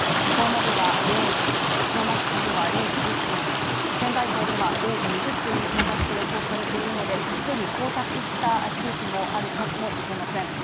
相馬では０時、石巻港では０時１０分仙台港では０時２０分に到達と予想されているので既に到達した地域もあるかもしれません。